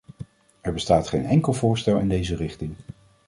Er bestaat geen enkel voorstel in deze richting!